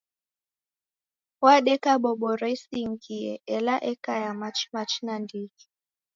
Wadeka boboro isingie ela eka ya machi-machi nandighi.